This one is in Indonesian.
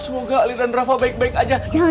semoga ali dan rafa baik baik aja